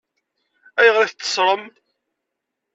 Ayɣer i t-teṣṣṛem?